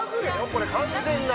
これ完全な。